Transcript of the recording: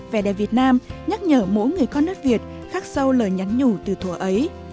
vẻ đẹp việt nam nhắc nhở mỗi người con đất việt khắc sâu lời nhắn nhủ từ thùa ấy